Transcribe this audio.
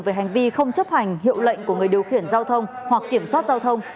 về hành vi không chấp hành hiệu lệnh của người điều khiển giao thông hoặc kiểm soát giao thông